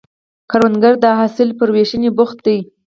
کروندګر د حاصل پر ویشنې بوخت دی